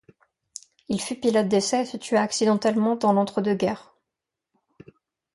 Il fut pilote d'essai et se tua accidentellement dans l'Entre-deux-guerres.